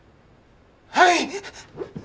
はい！